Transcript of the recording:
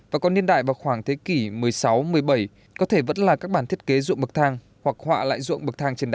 và còn niên đại vào khoảng thế kỷ một mươi sáu một mươi bảy có thể vẫn là các bản thiết kế ruộng bậc thang hoặc họa lại ruộng bậc thang trên đá